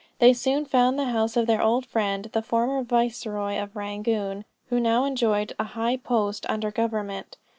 They soon found the house of their old friend the former viceroy of Rangoon, who now enjoyed a high post under government.